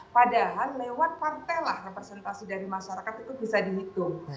padahal lewat partai lah representasi dari masyarakat itu bisa dihitung